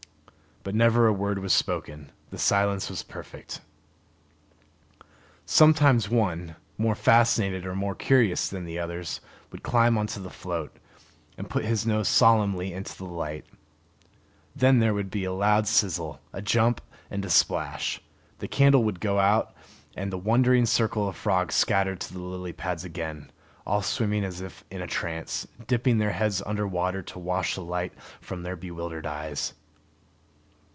But never a word was spoken; the silence was perfect. Sometimes one, more fascinated or more curious than the others, would climb onto the float, and put his nose solemnly into the light. Then there would be a loud sizzle, a jump, and a splash; the candle would go out, and the wondering circle of frogs scatter to the lily pads again, all swimming as if in a trance, dipping their heads under water to wash the light from their bewildered eyes.